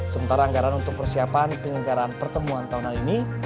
sementara anggaran untuk persiapan penyelenggaraan pertemuan tahunan ini